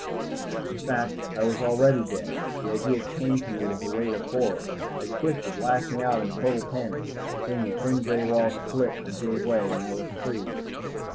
In fact I was already dead, the idea came to me with a weight of horror, I twisted, lashing out in total panic. Then the thin gray wall split and gave way, and I was free.